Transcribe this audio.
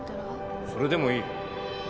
それでもいい